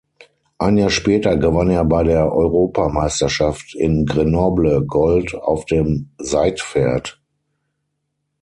Ein Jahr später gewann er bei der Europameisterschaft in Grenoble Gold auf dem Seitpferd.